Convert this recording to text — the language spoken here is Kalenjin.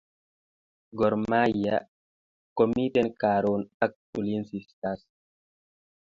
Gor mahia ko miten karon Ak ulinzi stars